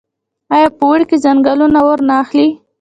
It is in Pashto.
آیا په اوړي کې ځنګلونه اور نه اخلي؟